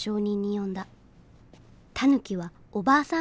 タヌキはおばあさん